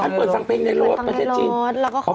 อ๋อท่านเปิดซังเพลงในรถประเทศจีน